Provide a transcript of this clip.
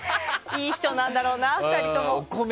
いい人なんだろうな二人とも。